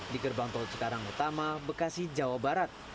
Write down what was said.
di gerbang tol cikarang utama bekasi jawa barat